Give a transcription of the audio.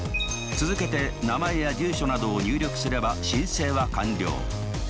続けて名前や住所などを入力すれば申請は完了。